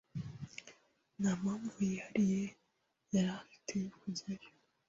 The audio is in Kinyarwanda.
Nta mpamvu yihariye yari afite yo kujyayo.